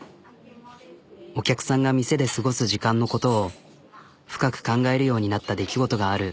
お客さんが店で過ごす時間のことを深く考えるようになった出来事がある。